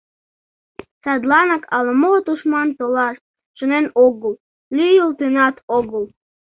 Садланак ала-мо тушман толаш шонен огыл, лӱйылтынат огыл.